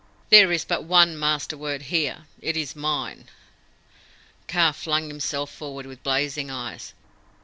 "There is but one Master word here. It is mine!" Kaa flung himself forward with blazing eyes.